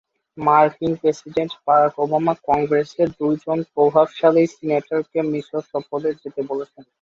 মার্কিন president Barack Obama কংগ্রেসের দুজন প্রভাবশালী সিনেটরকে মিসর সফরে যেতে বলেছেন।